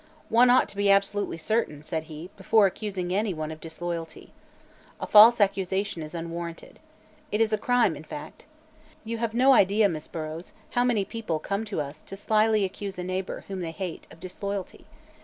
"One ought to be absolutely certain," said he, "before accusing anyone of disloyalty. A false accusation is unwarranted. It is a crime, in fact. You have no idea, Miss Burrows, how many people come to us to slyly accuse a neighbor, whom they hate, of disloyalty.